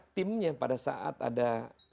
timnya pada saat ada